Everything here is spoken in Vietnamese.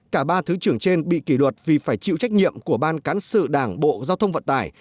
cả ba thứ trưởng trên bị kỷ luật vì phải chịu trách nhiệm của ban cán sự đảng bộ giao thông vận tải